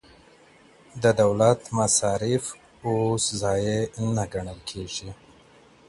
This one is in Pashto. د دولت مصارف اوس ضایع نه ګڼل کیږي.